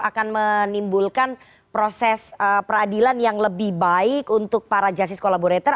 akan menimbulkan proses peradilan yang lebih baik untuk para justice collaborator